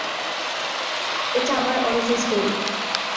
এটা আমার origin story.